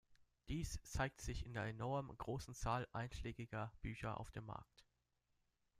Dies zeigt sich in der enorm großen Zahl einschlägiger Bücher auf dem Markt.